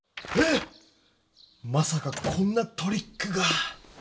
え⁉まさかこんなトリックが。